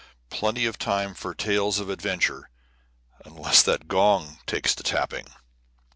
Plenty of time for tales of adventure, unless that gong takes to tapping.